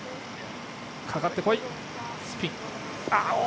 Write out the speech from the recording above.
かかってこい、スピン。